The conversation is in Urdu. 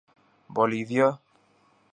بولیویا